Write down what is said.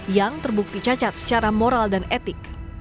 yang terbukti cacat secara moral dan etik